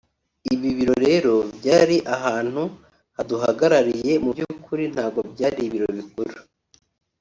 Ibi biro rero byari ahantu haduhagarariye mu by’ukuri ntabwo byari ibiro bikuru